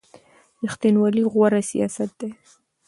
ریښتینولي غوره سیاست دی.